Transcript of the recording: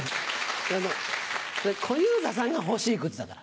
それ小遊三さんが欲しい靴だから。